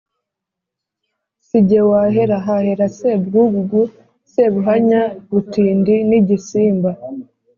si jye wahera hahera sebwugugu sebuhanya-butindi n' igisimba